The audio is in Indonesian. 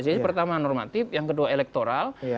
jadi pertama normatif yang kedua elektoral